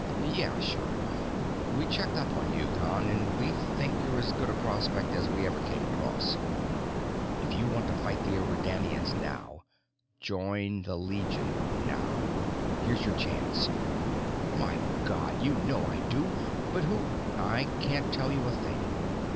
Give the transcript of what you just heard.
"Yeah, sure. We checked up on you, Con, and we think you're as good a prospect as we ever came across. If you want to fight the Eridanians now join the Legion now here's your chance." "My God, you know I do! But who " "I can't tell you a thing.